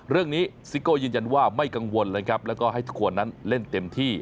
ซิโก้ยืนยันว่าไม่กังวลเลยครับแล้วก็ให้ทุกคนนั้นเล่นเต็มที่